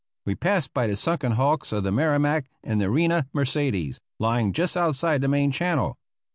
We passed by the sunken hulks of the Merrimac and the Reina Mercedes, lying just outside the main channel.